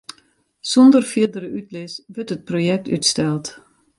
Sûnder fierdere útlis wurdt it projekt útsteld.